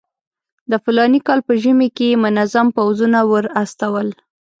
د فلاني کال په ژمي کې یې منظم پوځونه ورواستول.